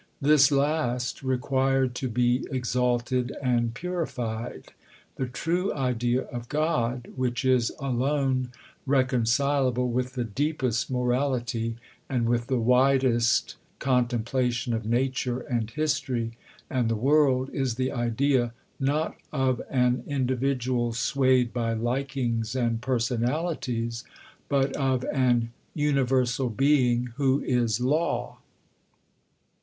This last required to be exalted and purified. The true idea of God, which is alone reconcilable with the deepest morality and with the widest contemplation of nature and history and the world is the idea, not of an individual swayed by likings and personalities, but of an Universal Being who is Law.